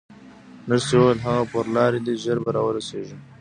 نرسې وویل: هغه پر لار دی، ژر به راورسېږي.